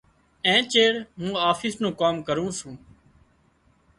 اين چيڙ مُون آفيس نُون ڪام ڪرُون سُون۔